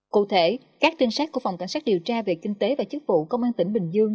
cụ thể các trinh sát của phòng cảnh sát điều tra về kinh tế và chức vụ công an tỉnh bình dương